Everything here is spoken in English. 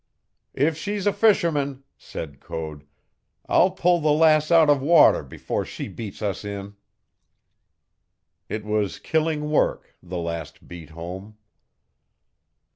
"If she's a fisherman," said Code, "I'll pull the Lass out of water before she beats us in." It was killing work, the last beat home.